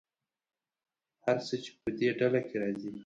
هر څه چې په دې ډله کې راځي.